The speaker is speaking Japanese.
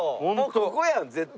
ここやん絶対。